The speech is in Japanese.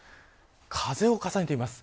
風を重ねてみます。